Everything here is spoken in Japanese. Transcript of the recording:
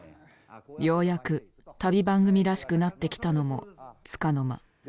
ようやく旅番組らしくなってきたのもつかの間。